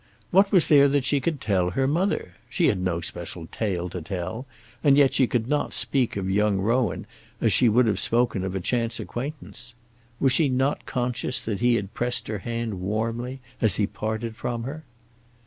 What was there that she could tell her mother? She had no special tale to tell, and yet she could not speak of young Rowan as she would have spoken of a chance acquaintance. Was she not conscious that he had pressed her hand warmly as he parted from her?